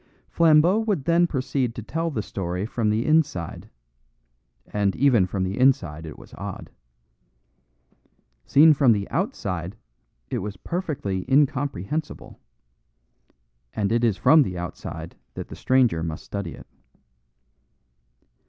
Flambeau would then proceed to tell the story from the inside; and even from the inside it was odd. Seen from the outside it was perfectly incomprehensible, and it is from the outside that the stranger must study it.